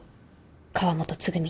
川本つぐみ